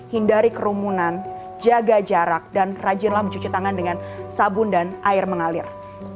hindari kerumunan jaga jarak dan rajinlah mencuci tangan dengan sabun dan air mengalir